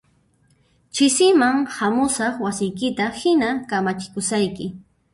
Ch'isiman hamusaq wasiykita hina kamachikusayki